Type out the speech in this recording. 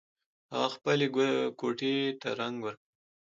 هغه خپلې کوټۍ ته رنګ ورکوي